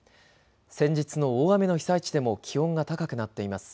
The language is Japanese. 先日の大雨の被災地でも気温が高くなっています。